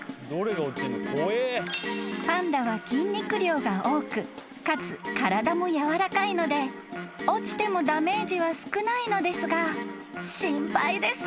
［パンダは筋肉量が多くかつ体もやわらかいので落ちてもダメージは少ないのですが心配です］